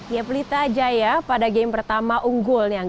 ya prita jaya pada game pertama unggulnya